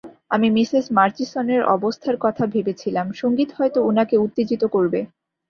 আমি মিসেস মার্চিসনের অবস্থার কথা ভেবেছিলাম, সংগীত হয়তো উনাকে উত্তেজিত করবে।